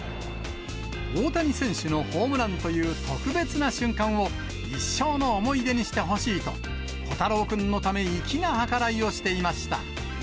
大谷選手のホームランという特別な瞬間を一生の思い出にしてほしいと、虎太郎君のため、粋な計らいをしていました。